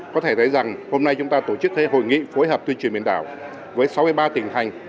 có thể thấy rằng hôm nay chúng ta tổ chức hội nghị phối hợp tuyên truyền biển đảo với sáu mươi ba tỉnh thành